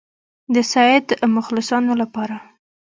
د سید مخلصانو لپاره.